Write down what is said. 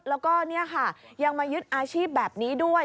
แล้วแย่งมายึดอาชีพแบบนี้ด้วย